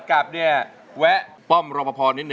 ไม่เป็นไร